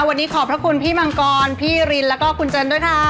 วันนี้ขอบพระคุณพี่มังกรพี่รินแล้วก็คุณเจนด้วยค่ะ